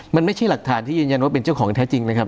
มันไม่ใช่หลักฐานที่ยืนยันว่าเป็นเจ้าของแท้จริงนะครับ